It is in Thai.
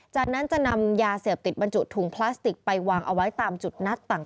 จากนั้นจะนำยาเสพติดบรรจุถุงพลาสติกไปวางเอาไว้ตามจุดนัดต่าง